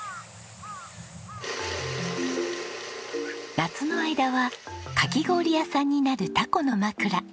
夏の間はかき氷屋さんになるタコのまくら。